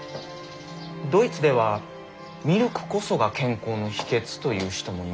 ドイツではミルクこそが健康の秘訣と言う人もいます。